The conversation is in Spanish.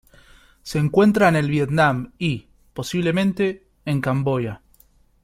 Se encuentra en el Vietnam y, posiblemente, en Camboya.